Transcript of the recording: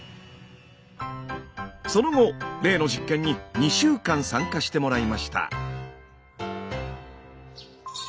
その後例の実験に２週間参加してもらいました。